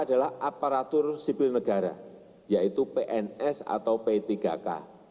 adalah aparatur sipil negara yaitu pns atau p tiga k